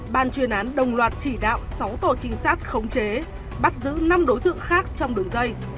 ban chuyên án đồng loạt chỉ đạo sáu tổ trinh sát khống chế bắt giữ năm đối tượng khác trong đường dây